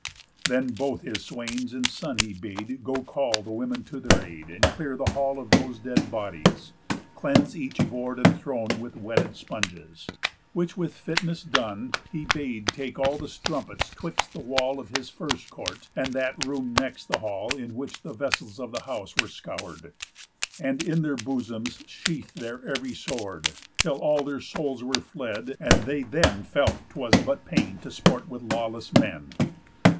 Then both his swains and son he bade go call The women to their aid, and clear the hall Of those dead bodies, cleanse each board and throne With wetted sponges. Which with fitness done, He bade take all the strumpets 'twixt the wall Of his first court and that room next the hall, In which the vessels of the house were scour'd, And in their bosoms sheath their ev'ry sword, Till all their souls were fled, and they had then Felt 'twas but pain to sport with lawless men.